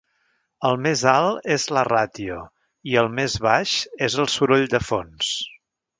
El més alt és la ràtio, i el més baix és el soroll de fons.